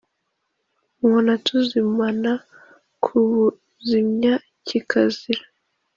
tubona tuzimana kubuzimya kikazira !